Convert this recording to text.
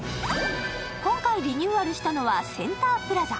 今回リニューアルしたのはセンタープラザ。